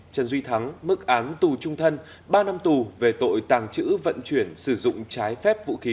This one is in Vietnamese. trần duy thắng mức án tù trung thân ba năm tù về tội tàng trữ vận chuyển sử dụng trái phép vũ khí